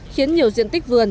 khiến nhiều diện tích vươn